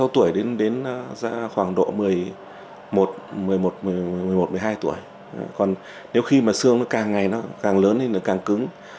sáu tuổi đến khoảng độ một mươi một một mươi hai tuổi còn nếu khi mà xương nó càng ngày nó càng lớn thì nó càng cứng